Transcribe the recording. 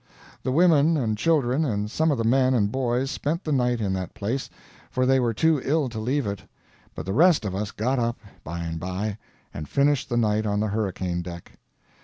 The women and children and some of the men and boys spent the night in that place, for they were too ill to leave it; but the rest of us got up, by and by, and finished the night on the hurricane deck.